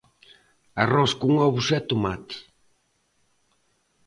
Arroz con ovos e tomate.